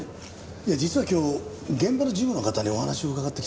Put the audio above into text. いや実は今日現場の事務の方にお話を伺ってきたんですけれど